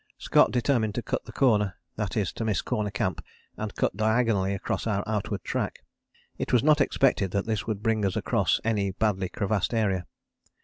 Scott determined to cut the corner, that is to miss Corner Camp and cut diagonally across our outward track. It was not expected that this would bring us across any badly crevassed area.